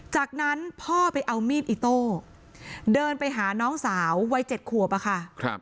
จากนั้นพ่อไปเอามีดอิโต้เดินไปหาน้องสาววัย๗ขวบอะค่ะ